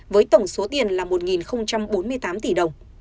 với tổng số tiền là một bốn mươi tám tỷ đồng